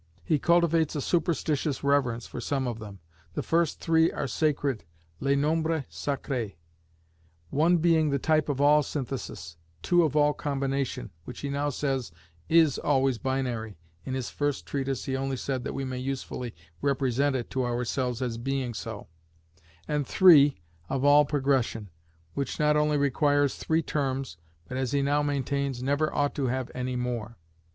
He cultivates a superstitious reverence for some of them. The first three are sacred, les nombres sacrés: One being the type of all Synthesis, Two of all Combination, which he now says is always binary (in his first treatise he only said that we may usefully represent it to ourselves as being so), and Three of all Progression, which not only requires three terms, but as he now maintains, never ought to have any more.